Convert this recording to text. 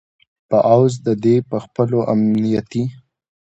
په عوض د دې چې په خپلو امنیتي